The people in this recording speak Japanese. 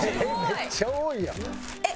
めっちゃ多いやん。